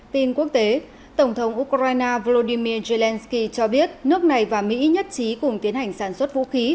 tin quốc tế tổng thống ukraine volodymyr zelensky cho biết nước này và mỹ nhất trí cùng tiến hành sản xuất vũ khí